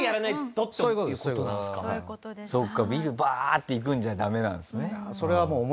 ビルバーッて行くんじゃダメなんですね。